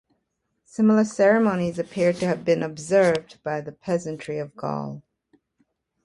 Similar ceremonies appear to have been observed by the peasantry of Gaul.